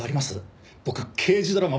僕刑事ドラマ